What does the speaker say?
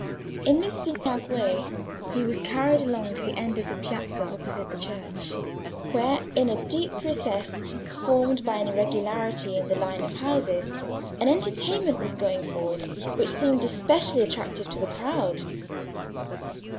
In this zigzag way he was carried along to the end of the piazza opposite the church, where, in a deep recess formed by an irregularity in the line of houses, an entertainment was going forward which seemed to be especially attractive to the crowd.